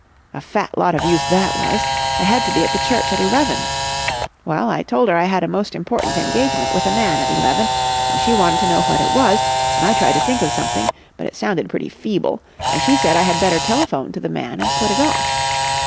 A fat lot of use that was! I had to be at the church at eleven. Well, I told her I had a most important engagement with a man at eleven, and she wanted to know what it was, and I tried to think of something, but it sounded pretty feeble, and she said I had better telephone to the man and put it off.